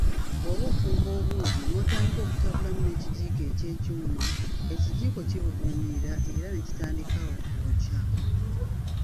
Bwoba ofumba obuugi n'otandika okutabulamu n'ekigiiko eky'ekyuma, ekigiiko kibuguumirira era ne kitandika okwokya